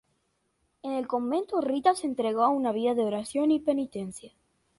En el convento, Rita se entregó a una vida de oración y penitencia.